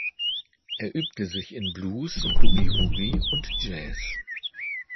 Er übte sich in Blues, Boogie-Woogie und Jazz.